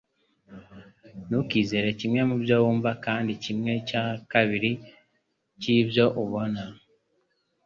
Ntukizere kimwe mubyo wumva kandi kimwe cya kabiri cyibyo ubona